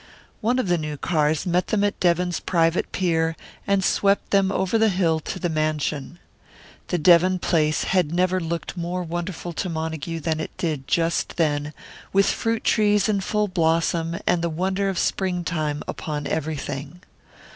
One of the new cars met them at Devon's private pier, and swept them over the hill to the mansion. The Devon place had never looked more wonderful to Montague than it did just then, with fruit trees in full blossom, and the wonder of springtime upon everything.